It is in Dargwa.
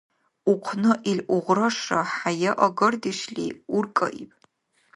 Ухъна ил угърашла хӀяяагардешли уркӀаиб.